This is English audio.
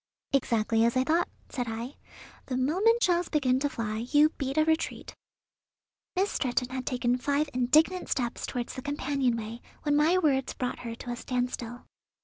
"Exactly as I thought," said I; "the moment shells begin to fly, you beat a retreat." Miss Stretton had taken five indignant steps toward the companion way when my words brought her to a standstill.